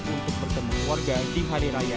untuk bertemu warga di hari raya